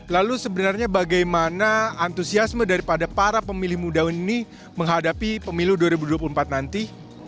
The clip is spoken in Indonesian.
lalu sebenarnya bagaimana antusiasme daripada para pemilih muda ini menghadapi pemilu dua ribu dua puluh empat nanti